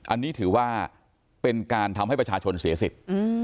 อันนี้ถือว่าเป็นการทำให้ประชาชนเสียสิทธิ์